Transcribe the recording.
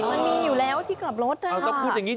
มันมีอยู่แล้วที่กลับรถนะคะ